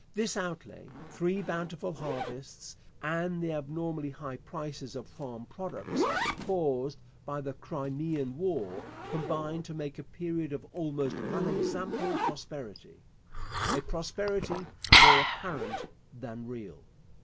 This outlay, three bountiful harvests, and the abnormally high prices of farm products caused by the Crimean War, combined to make a period of almost unexampled prosperity a prosperity more apparent than real.